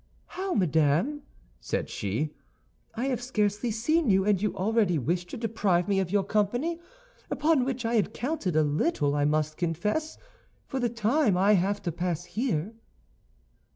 "How, madame," said she, "I have scarcely seen you, and you already wish to deprive me of your company, upon which I had counted a little, I must confess, for the time I have to pass here?"